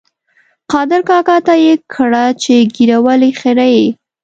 قادر کاکا ته یې کړه چې ږیره ولې خرېیې؟